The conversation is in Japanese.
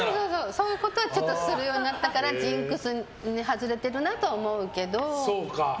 そういうことをちょっとするようになったからジンクスから外れているなと思うけど。